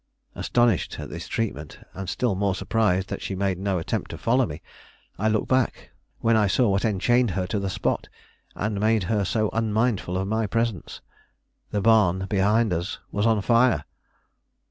Astonished at this treatment, and still more surprised that she made no attempt to follow me, I looked back, when I saw what enchained her to the spot, and made her so unmindful of my presence. The barn behind us was on fire!